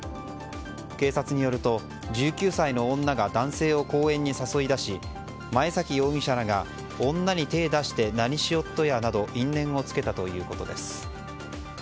警察によると、１９歳の女が男性を公園に誘い出し前崎容疑者らが女に手出して何しよっとやなどと因縁をつけたということです。